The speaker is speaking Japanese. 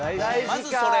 まずそれ。